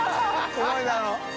すごいだろ？